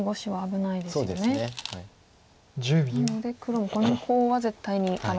なので黒もこのコウは絶対に争うと。